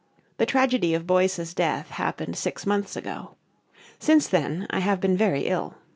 The tragedy of Boyce's death happened six months ago. Since then I have been very ill.